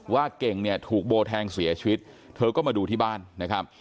เก่งเนี่ยถูกโบแทงเสียชีวิตเธอก็มาดูที่บ้านนะครับ